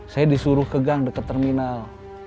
saya disuruh ke gang dekat terminal